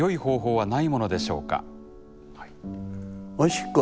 はい。